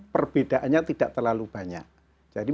perbedaannya tidak terlalu banyak jadi